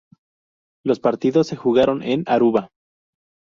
Los partidos se jugaron en Aruba.